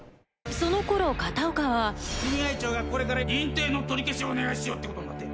その頃片岡は組合長がこれから認定の取り消しをお願いしようってことんなって。